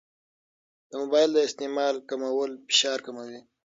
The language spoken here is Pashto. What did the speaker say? د موبایل د استعمال کمول فشار کموي.